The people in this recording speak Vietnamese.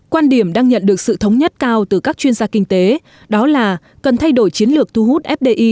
quan điểm đang nhận được sự thống nhất cao từ các chuyên gia kinh tế đó là cần thay đổi chiến lược thu hút fdi